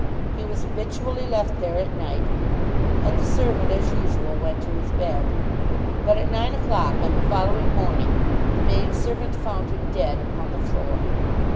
He was habitually left there at night, and the servant as usual went to his bed. But at nine o'clock on the following morning the maid servant found him dead upon the floor.